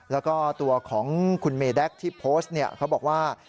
แล้วก็ตัวของคุณเมแด๊กที่โพสต์เขาบอกว่า